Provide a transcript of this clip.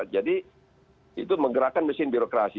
jadi itu menggerakkan mesin birokrasi